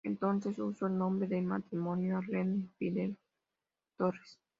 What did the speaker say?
Entonces usó el nombre de matrimonio Arlette Pinheiro Monteiro Torres.